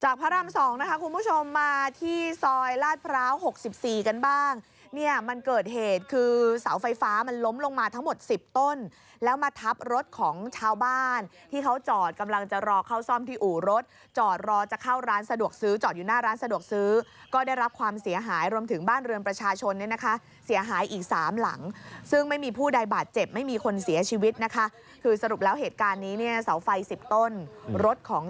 จากพระรามสองนะคะคุณผู้ชมมาที่ซอยลาดพร้าวหกสิบสี่กันบ้างเนี่ยมันเกิดเหตุคือเสาไฟฟ้ามันล้มลงมาทั้งหมดสิบต้นแล้วมาทับรถของชาวบ้านที่เขาจอดกำลังจะรอเข้าซ่อมที่อู่รถจอดรอจะเข้าร้านสะดวกซื้อจอดอยู่หน้าร้านสะดวกซื้อก็ได้รับความเสียหายรวมถึงบ้านเรือนประชาชนเนี่ยนะคะเสียหายอีกสามหลัง